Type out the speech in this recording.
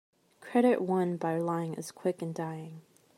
Credit won by lying is quick in dying.